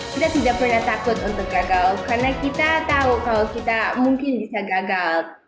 kita tidak pernah takut untuk gagal karena kita tahu kalau kita mungkin bisa gagal